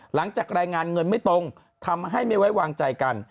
หลังจากรายงานเงินไม่ตรงทำให้ไม่ไว้วางใจกัน